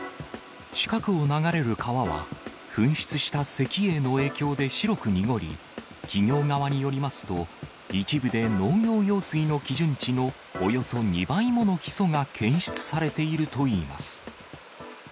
近くを流れる川は、噴出した石英の影響で白く濁り、企業側によりますと、一部で農業用水の基準値のおよそ２倍ものヒ素が検出されているといいます。